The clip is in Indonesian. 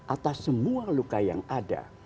atas semua luka yang ada